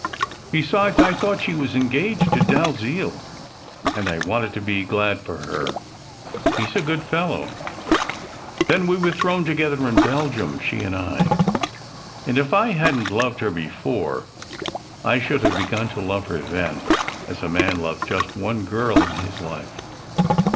Besides, I thought she was engaged to Dalziel, and I wanted to be glad for her. He s a good fellow. Then we were thrown together in Belgium, she and I; and if I hadn t loved her before, I should have SECRET HISTORY 315 begun to love her then, as a man loves just one girl in his life.